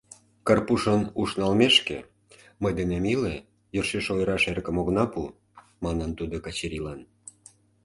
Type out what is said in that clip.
— Карпушын уш налмешке, мый денем иле, йӧршеш ойыраш эрыкым огына пу, — манын тудо Качырилан.